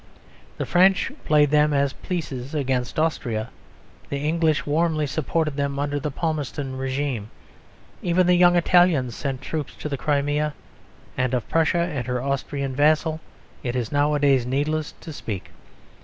The French played them as pieces against Austria; the English warmly supported them under the Palmerston régime; even the young Italians sent troops to the Crimea; and of Prussia and her Austrian vassal it is nowadays needless to speak.